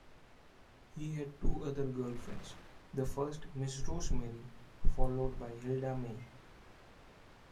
He had two other girlfriends; the first Miss Rosemary followed by Hilda May.